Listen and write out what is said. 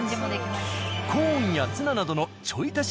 コーンやツナなどのちょい足し